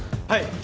はい。